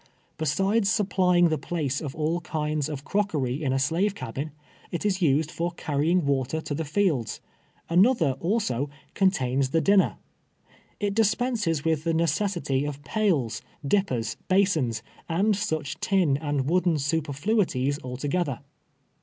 Besides supplying the place of all kinds of crockery in a slave cabin, it is used for carrying water to the fields. Another, also, contains the din ner. It dispenses with tlie necessity of pails, dippers, basins, and such tin and wooden superfluities alto gether.